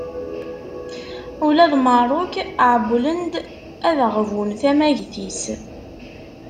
Ula d Meṛṛuk ɛewwlen-d ad ɣbun tamagit-is.